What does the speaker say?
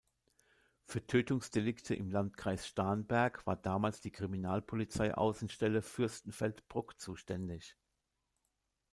Für Tötungsdelikte im Landkreis Starnberg war damals die Kriminalpolizei-Außenstelle Fürstenfeldbruck zuständig.